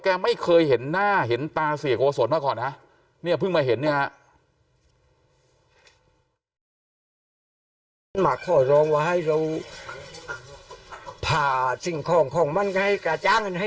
ไม่เคยเห็นหน้าเห็นตาเสียโกศลมาก่อนนะเนี่ยเพิ่งมาเห็นเนี่ย